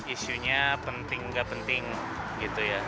isunya penting gak penting gitu ya